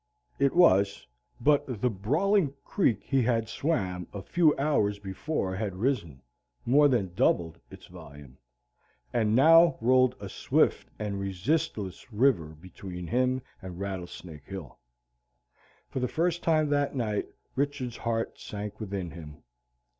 It was. But the brawling creek he had swam a few hours before had risen, more than doubled its volume, and now rolled a swift and resistless river between him and Rattlesnake Hill. For the first time that night Richard's heart sank within him.